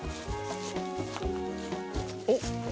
おっ！